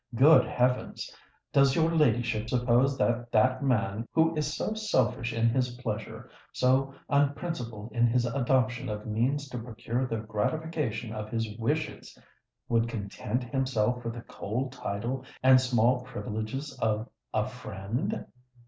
Good heavens! does your ladyship suppose that that man who is so selfish in his pleasure—so unprincipled in his adoption of means to procure the gratification of his wishes—would content himself with the cold title and small privileges of a friend?